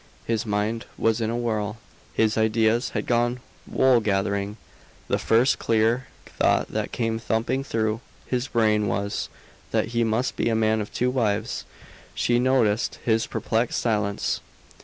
His mind was in a whirl, his ideas had gone wool gathering. The first clear thought that came thumping through his brain was, that he must be a man of two wives. She noticed his perplexed silence.